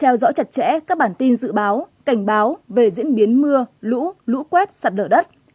theo dõi chặt chẽ các bản tin dự báo cảnh báo về diễn biến mưa lũ lũ quét sạt lở đất